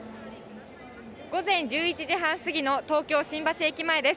午前１１時半過ぎの東京・新橋駅前です。